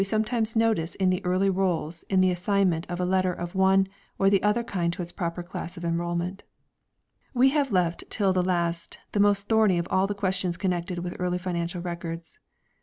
OF THE REIGN OF KING JOHN 293 times notice in the early rolls in the assignment of a letter of one or the other kind to its proper class of enrolment. 1 We have left till the last the most thorny of all the The "Cam questions connected with early financial records.